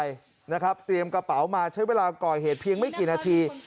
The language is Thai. ใส่กระเป๋าไปเตรียมกระเป๋ามาใช้เวลาก่อยเหตุเพียงไม่กี่นาที